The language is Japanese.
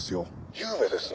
「ゆうべですね